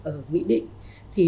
ở nghị định